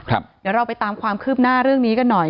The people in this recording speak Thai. เดี๋ยวเราไปตามความคืบหน้าเรื่องนี้กันหน่อย